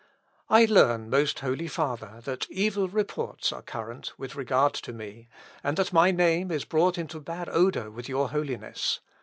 "I learn, most Holy Father, that evil reports are current with regard to me, and that my name is brought into bad odour with your Holiness.